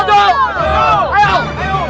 bawa mereka keluar